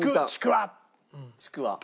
ちくわ。